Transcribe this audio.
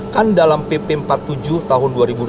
kan dalam pp empat puluh tujuh tahun dua ribu dua puluh